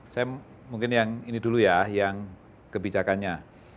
saya mungkin yang ini dulu ya yang kebijakannya